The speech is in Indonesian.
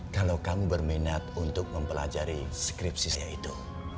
kalau kamu berminat untuk mempelajari skripsi saya itu